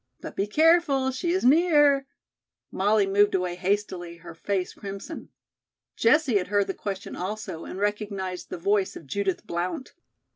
"But be careful, she is near " Molly moved away hastily, her face crimson. Jessie had heard the question also and recognized the voice of Judith Blount.